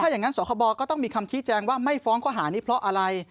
อย่างนั้นสคบก็ต้องมีคำชี้แจงว่าไม่ฟ้องข้อหานี้เพราะอะไร